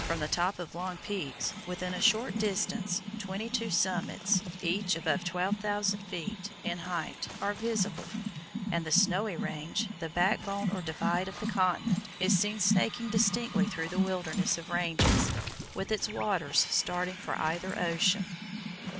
From the top of Long's Peak, within a short distance, twenty two summits, each above 12,000 feet in height, are visible, and the Snowy Range, the backbone or "divide" of the continent, is seen snaking distinctly through the wilderness of ranges, with its waters starting for either ocean.